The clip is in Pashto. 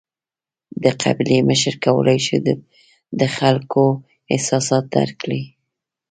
د قبیلې مشر کولای شي د خلکو احساسات درک کړي.